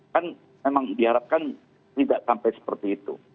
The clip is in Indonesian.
kan memang diharapkan tidak sampai seperti itu